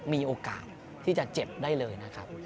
มีโอกาสที่จะเจ็บได้เลยนะครับ